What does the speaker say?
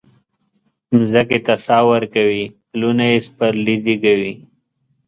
مځکې ته ساه ورکوي پلونه یي سپرلي زیږوي